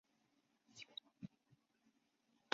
所属于事务所。